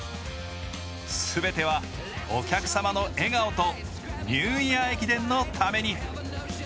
すべてはお客様の笑顔とニューイヤー駅伝のために。